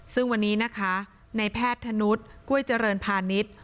ซึ่งวันนี้นะคะในแพทย์ธนุษย์กล้วยเจริญพาณิชย์